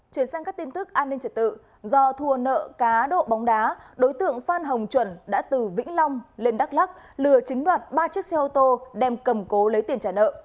chuyển sang các tin tức an ninh trật tự do thua nợ cá độ bóng đá đối tượng phan hồng chuẩn đã từ vĩnh long lên đắk lắc lừa chiếm đoạt ba chiếc xe ô tô đem cầm cố lấy tiền trả nợ